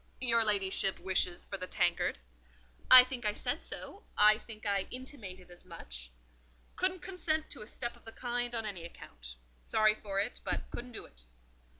"Your ladyship wishes for the tankard?" "I think I said so. I think I intimated as much." "Couldn't consent to a step of the kind on any account. Sorry for it, but couldn't do it."